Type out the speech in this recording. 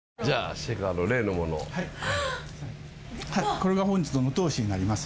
これが本日の能登牛になります。